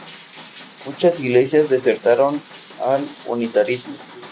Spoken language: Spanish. Muchas iglesias desertaron al unitarismo.